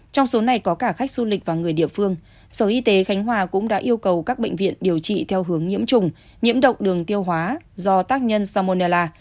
trong số này có cả khách du lịch và người địa phương sở y tế khánh hòa cũng đã yêu cầu các bệnh viện điều trị theo hướng nhiễm trùng nhiễm độc đường tiêu hóa do tác nhân samonella